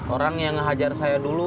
orang yang hajar saya dulu